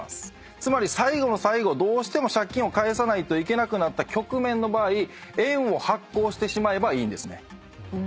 つまり最後の最後どうしても借金返さないといけなくなった局面の場合円を発行してしまえばいいんですね。